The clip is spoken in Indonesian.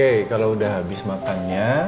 oke kalau udah habis makan ya